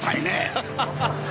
ハハハッ。